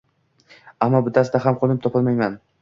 Ammo bittasida ham qo`nim topolmayman